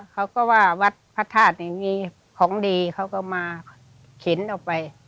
เขาก็ว่าวัดพระธาตุนี่มีของดีเขาก็มาเข็นออกไป